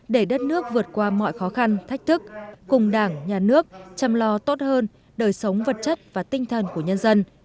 để đất nước vượt qua mọi khó khăn thách thức cùng đảng nhà nước chăm lo tốt hơn đời sống vật chất và tinh thần của nhân dân